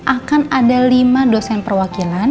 akan ada lima dosen perwakilan